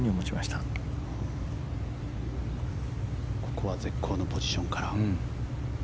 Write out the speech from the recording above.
ここは絶好のポジションから。